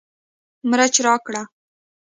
مرچ راکړه